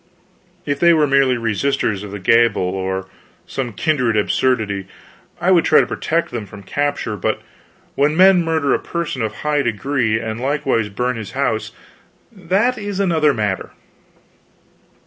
If they were merely resisters of the gabelle or some kindred absurdity I would try to protect them from capture; but when men murder a person of high degree and likewise burn his house, that is another matter."